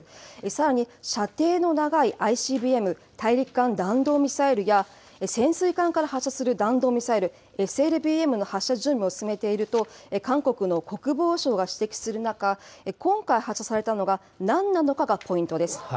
さらに射程の長いＩＣＢＭ・大陸間弾道ミサイルや、潜水艦から発射する弾道ミサイル、ＳＬＢＭの発射準備を進めていると、韓国の国防省が指摘する中、今回、発射されたのがなんなのかがポイントです。